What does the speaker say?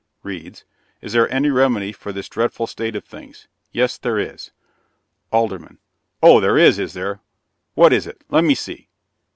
Reads: "'Is there any remedy for this dreadful state of things? Yes, there is.'" ALDERMAN. "Oh, there is, is there? What is it? Let me see."